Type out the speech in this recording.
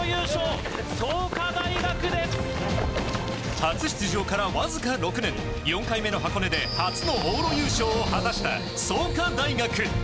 初出場から、わずか６年４回目の箱根で初の往路優勝を果たした創価大学。